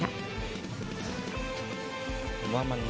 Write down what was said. ท่าไทยได้อย่างแน่นอนครับ